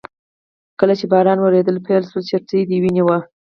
کله چې باران وریدل پیل شول چترۍ دې ونیوه.